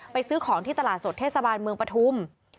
ซื้อของที่ตลาดสดเทศบาลเมืองปฐุม